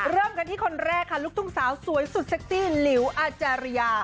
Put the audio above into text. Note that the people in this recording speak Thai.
เริ่มกันที่คนแรกค่ะลูกทุ่งสาวสวยสุดเซ็กซี่หลิวอาจารยา